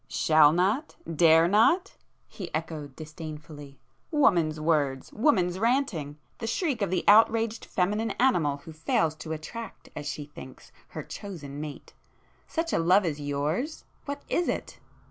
"Shall not!—dare not!" he echoed disdainfully—"Woman's words,—woman's ranting!—the shriek of the outraged feminine animal who fails to attract, as she thinks, her chosen mate. Such a love as yours!—what is it?